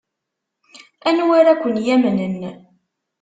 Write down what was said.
Anwa ara ken-yamnen?